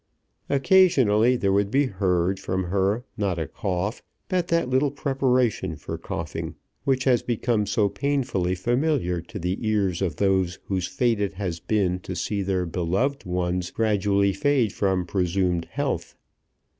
Occasionally there would be heard from her not a cough, but that little preparation for coughing which has become so painfully familiar to the ears of those whose fate it has been to see their beloved ones gradually fade from presumed health.